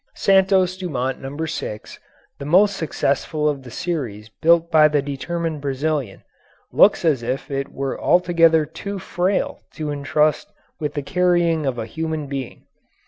"Santos Dumont No. 6," the most successful of the series built by the determined Brazilian, looks as if it were altogether too frail to intrust with the carrying of a human being.